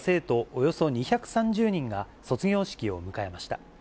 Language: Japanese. およそ２３０人が、卒業式を迎えました。